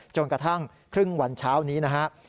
จนกระทั่งครึ่งวันเช้านี้นะครับ